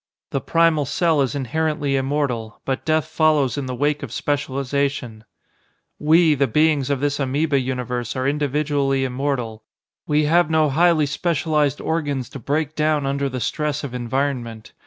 The primal cell is inherently immortal, but death follows in the wake of specialization. "We, the beings of this amoeba universe, are individually immortal. We have no highly specialized organs to break down under the stress of environment.